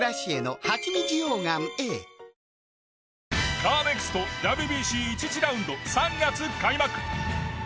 カーネクストＷＢＣ１次ラウンド３月開幕。